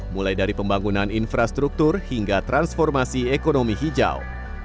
mulai dari pembangunan infrastruktur hingga transformasi ekonomi hijau